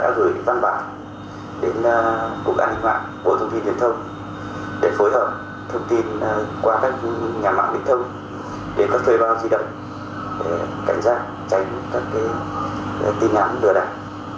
bảo hiểm sở việt nam cũng đã gửi văn bản đến cục an hình mạng của thông tin truyền thông để phối hợp thông tin qua các nhà mạng truyền thông để có thuê bao di động để cảnh giác tránh các tin nhắn lừa đảo